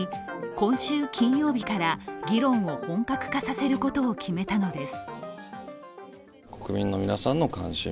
今週金曜日から議論を本格化させることを決めたのです。